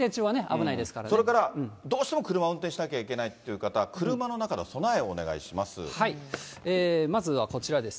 それからどうしても車運転しなきゃいけないという方、車の中の備えをお願いします。